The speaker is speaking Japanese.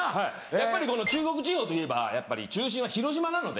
やっぱり中国地方といえばやっぱり中心は広島なので。